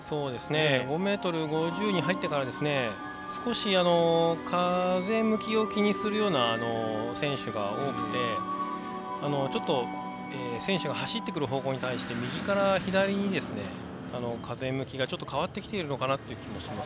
５ｍ５０に入ってから少し風向きを気にするような選手が多くて選手が走ってくる方向に対して右から左に風向きが変わってきているのかなという気もします。